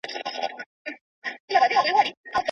هغه اصطلاحات چي په سياست کي کارول کېږي بېلابېلي ماناوي لري.